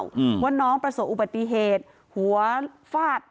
อืมว่าน้องประสบอุบัติเหตุหัวฟาด